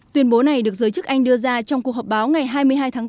tuyên bố này được giới chức anh đưa ra trong cuộc họp báo ngày hai mươi hai tháng bốn